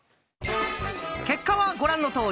結果はご覧のとおり。